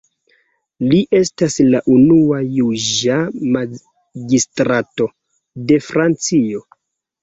Li estas la unua juĝa magistrato de Francio.